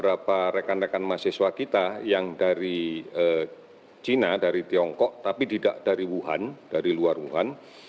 beberapa rekan rekan mahasiswa kita yang dari china dari tiongkok tapi tidak dari wuhan dari luar wuhan